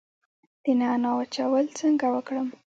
د نعناع وچول څنګه وکړم؟